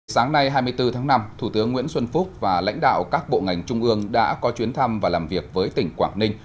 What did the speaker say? sáng nay hai mươi bốn tháng năm thủ tướng nguyễn xuân phúc và lãnh đạo các bộ ngành trung ương đã có chuyến thăm và làm việc với tỉnh quảng ninh